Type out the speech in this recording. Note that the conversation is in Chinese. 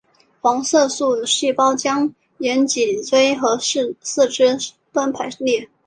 黄色素细胞将沿脊椎和四肢上端排列。